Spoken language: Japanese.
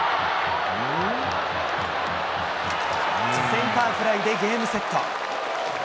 センターフライでゲームセット。